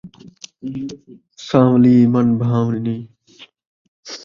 سان٘ولی ، من بھان٘ولی